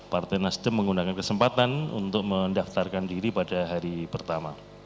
partai nasdem menggunakan kesempatan untuk mendaftarkan diri pada hari pertama